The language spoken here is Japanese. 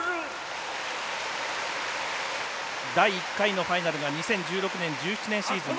第１回のファイナルが２０１６年１７年シーズン。